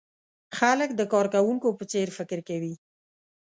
خلک د کارکوونکو په څېر فکر کوي.